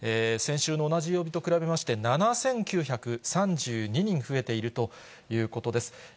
先週の同じ曜日と比べまして、７９３２人増えているということです。